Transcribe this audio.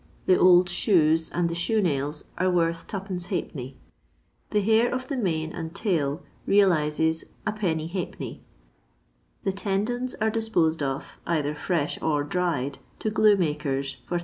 The old shoes and the shoe nails are worth %\A. The hair of the mane and tail realizes 1 \d. The tendons are disposed of, either fresh or dried, to glue makers for 8<2.